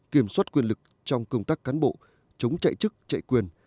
kiểm soát quyền lực trong công tác cán bộ chống chạy chức chạy quyền